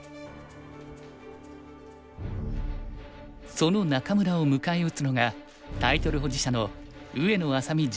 その仲邑を迎え撃つのがタイトル保持者の上野愛咲美女流棋聖。